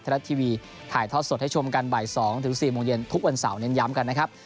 รัฐทีวีถ่ายทอดสดให้ชมกันบ่าย๒ถึง๔โมงเย็นทุกวันเสาร์เน้นย้ำกันนะครับ